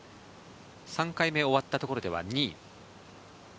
３回目終わったところでは２位。